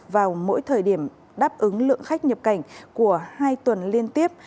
vào mỗi thời điểm đáp ứng lượng khách nhập cảnh của hai tuần liên tiếp